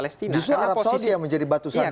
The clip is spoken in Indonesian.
jusnya arab saudi yang menjadi batu sandungan ini